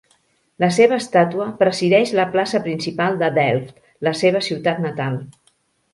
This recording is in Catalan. La seva estàtua presideix la plaça principal de Delft, la seva ciutat natal.